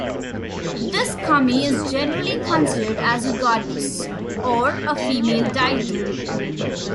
This kami is generally considered as a goddess, or a female deity.